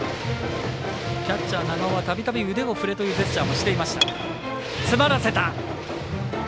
キャッチャー長尾はたびたび腕を振れというジェスチャーもしていました。